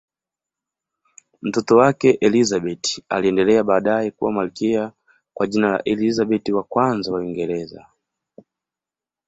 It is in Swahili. Mtoto wake Elizabeth aliendelea baadaye kuwa malkia kwa jina la Elizabeth I wa Uingereza.